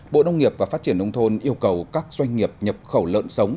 bộ nông nghiệp và phát triển nông thôn yêu cầu các doanh nghiệp nhập khẩu lợn sống